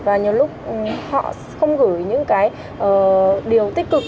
và nhiều lúc họ không gửi những cái điều tích cực